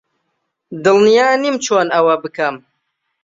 دڵنیا نیم چۆن ئەوە بکەم.